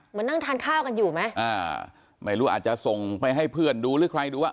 นั่งทานข้าวกันอยู่ไหมอ่าไม่รู้อาจจะส่งไปให้เพื่อนดูหรือใครดูว่า